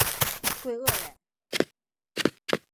桂萼人。